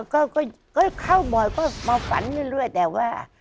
ก็เข้าบ่อยก็มาฝันเรื่อยแต่ว่า